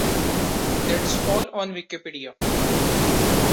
That’s all on Wikipedia.